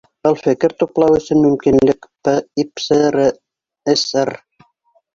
Был фекер туплау өсөн мөмкинлек ипрср